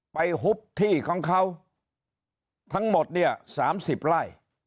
ไปหุบที่ของเขาทั้งหมดเนี้ยสามสิบไร่